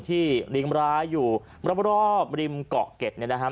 ที่ลิ้งร้ายอยู่รอบริมเกาะเก็ดนะฮะ